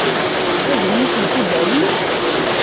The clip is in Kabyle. Ad iyi-tent-id-awint?